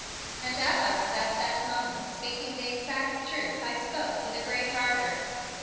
And as I was at that moment speaking the exact truth I spoke with a great ardor.